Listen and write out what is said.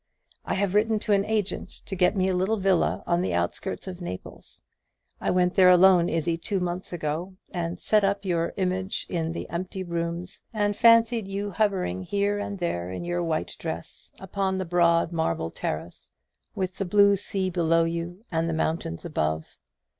I have written to an agent to get me a little villa on the outskirts of Naples. I went there alone, Izzie, two months ago, and set up your image in the empty rooms, and fancied you hovering here and there in your white dress, upon the broad marble terrace, with the blue sea below you, and the mountains above.